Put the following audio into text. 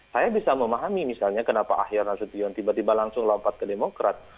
saya bisa memahami misalnya kenapa ahyar nasution tiba tiba langsung lompat ke demokrat